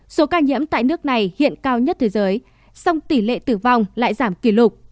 số ca nhiễm tại nước này hiện cao nhất thế giới song tỷ lệ tử vong lại giảm kỷ lục